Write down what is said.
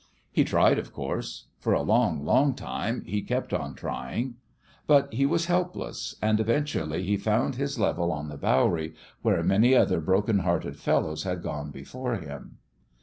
He tried, of course : for a long, long time he kept on trying. But he was helpless ; and eventually he found his level on the Bowery, where many another broken hearted fellow had gone before him.